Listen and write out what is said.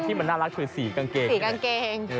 ที่มันน่ารักสิสีกางเกง